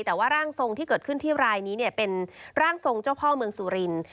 แต่ว่าร่างทรงที่เกิดขึ้นที่รายนี้เนี่ยเป็นร่างทรงเจ้าพ่อเมืองสุรินทร์